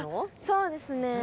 あっそうですね。